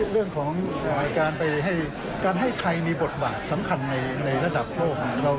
เรื่องของการให้ไทยมีบทบาทสำคัญในระดับโลก